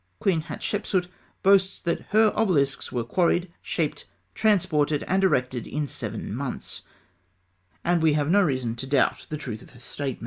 Queen Hatshepsût boasts that her obelisks were quarried, shaped, transported, and erected in seven months; and we have no reason to doubt the truth of her statement.